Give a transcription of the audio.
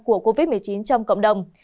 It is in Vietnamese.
của covid một mươi chín trong cộng đồng